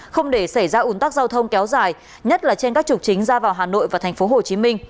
không để xảy ra ủn tắc giao thông kéo dài nhất là trên các trục chính ra vào hà nội và tp hcm